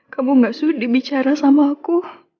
kamu gak sudi bicara sama aku